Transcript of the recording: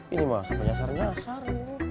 ini mah sampai nyasar nyasar